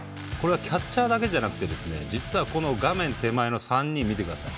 キャッチャーだけじゃなくて実は画面手前の３人見てください。